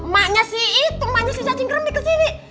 maknya si itu maknya si cacing gremi kesini